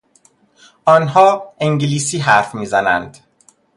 آنها انگلیسی حرف میزنند.